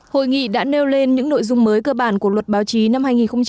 hội nghị đã nêu lên những nội dung mới cơ bản của luật báo chí năm hai nghìn một mươi tám